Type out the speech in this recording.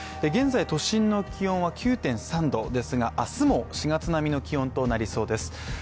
現在、都心の気温は９．３度ですが、明日も４月並みの気温となりそうです。